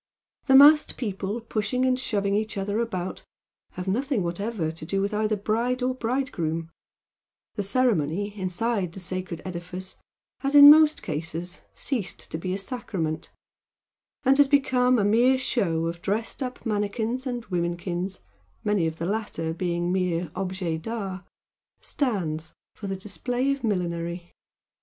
The massed people pushing and shoving each other about have nothing whatever to do with either bride or bridegroom, the ceremony inside the sacred edifice has in most cases ceased to be a "sacrament" and has become a mere show of dressed up manikins and womenkins, many of the latter being mere OBJECT D'ART, stands for the display of millinery.